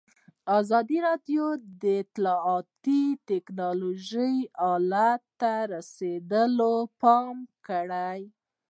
ازادي راډیو د اطلاعاتی تکنالوژي حالت ته رسېدلي پام کړی.